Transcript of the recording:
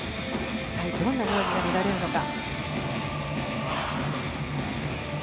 一体どんな演技が見られるのか。